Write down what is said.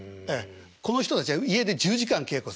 この人たちは家で１０時間稽古。